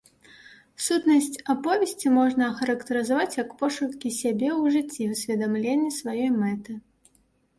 Сутнасць аповесці можна ахарактарызаваць як пошукі сябе ў жыцці, усведамленне сваёй мэты.